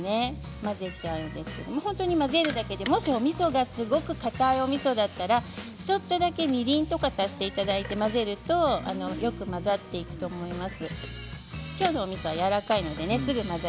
混ぜちゃうんですけれどももしおみそがかたいおみそだったらちょっとだけみりんとか足していただいて混ぜるとよく混ざっていくと思います。